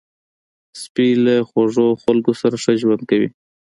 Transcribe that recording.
سپي له خوږو خلکو سره ښه ژوند کوي.